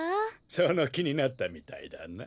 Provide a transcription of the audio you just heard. そのきになったみたいだな。